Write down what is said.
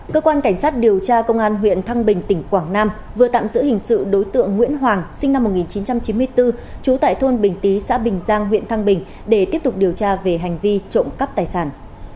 cơ quan cảnh sát điều tra công an huyện thăng bình tỉnh quảng nam vừa tạm giữ hình sự đối tượng nguyễn hoàng sinh năm một nghìn chín trăm chín mươi bốn trú tại thôn bình tý xã bình giang huyện thăng bình để tiếp tục điều tra về hành vi trộm cắp tài sản